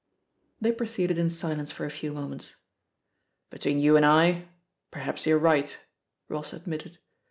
They proceeded in silence for a few moments* "Between you and I, perhaps you're right," Hoss admitted.